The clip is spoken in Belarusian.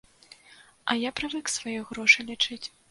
А я прывык свае грошы лічыць.